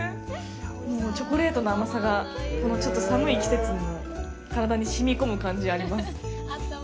もうチョコレートの甘さがこのちょっと寒い季節の体にしみこむ感じがあります。